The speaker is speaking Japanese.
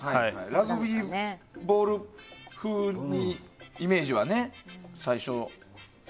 ラグビーボール風に最初、イメージはね。